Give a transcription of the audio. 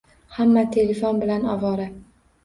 Hamma telefon bilan ovora.